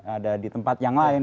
ada di tempat yang lain